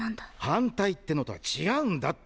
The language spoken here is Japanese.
反対ってのとは違うんだって！